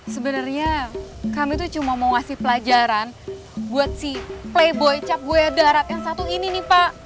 sebenernya kami tuh cuma mau ngasih pelajaran buat si playboy cap goya darat yang satu ini nih pak